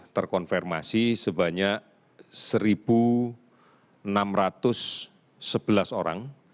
terkonfirmasi sebanyak satu enam ratus sebelas orang